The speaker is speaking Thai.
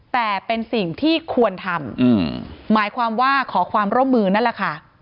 แต่เป็นสิ่งที่ควรทำหมายความว่าขอความร่วมมือนั่นแหละค่ะ